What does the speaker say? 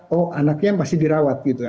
oh anaknya masih dirawat gitu ya